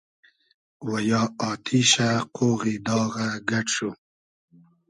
و یا آتیشۂ ، قۉغی داغۂ گئۮ شو